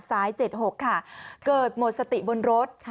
ซ้าย๗๖ค่ะเกิดโหมดสติบนรถ